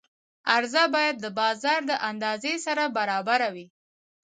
عرضه باید د بازار د اندازې سره برابره وي.